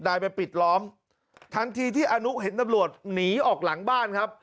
ไปปิดล้อมทันทีที่อนุเห็นตำรวจหนีออกหลังบ้านครับ